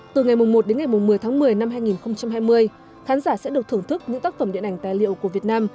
từ ngày một đến ngày một mươi tháng một mươi năm hai nghìn hai mươi khán giả sẽ được thưởng thức những tác phẩm điện ảnh tài liệu của việt nam